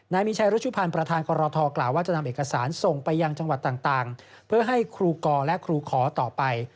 นายมีชัยรุชุพันธ์ประธานกรทกล่าวว่าจะนำเอกสารส่งไปยังจังหวัดต่างเพื่อให้ครูกรและครูขอต่อไป